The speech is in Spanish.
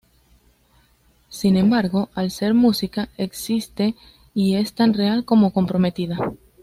Sin embargo, al ser música, existe y es tan real como comprometida.